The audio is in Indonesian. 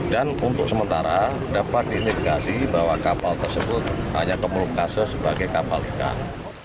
dan untuk sementara dapat diindikasi bahwa kapal tersebut hanya kemuluk kase sebagai kapal ikan